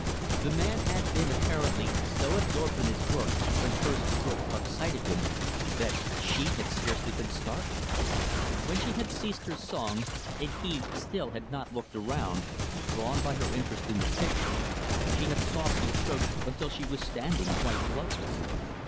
The man had been, apparently, so absorbed in his work, when first the girl caught sight of him, that she had scarcely been startled. When she had ceased her song, and he, still, had not looked around; drawn by her interest in the picture, she had softly approached until she was standing quite close.